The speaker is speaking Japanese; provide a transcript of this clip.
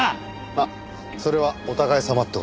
まあそれはお互いさまって事で。